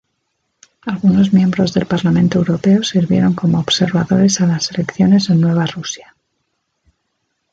Algunos miembros del Parlamento Europeo sirvieron como observadores a las elecciones en Nueva Rusia.